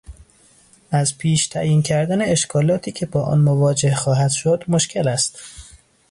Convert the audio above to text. از پیش تعیین کردن اشکالاتی که با آن مواجه خواهد شد مشکل است.